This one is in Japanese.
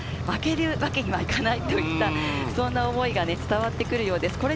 負けるわけにはいかないといった思いが伝わってくるようです。